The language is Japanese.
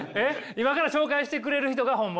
今から紹介してくれる人が本物？